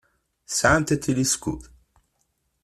Tesɛamt atiliskud?